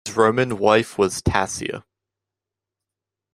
His Roman wife was Tassia.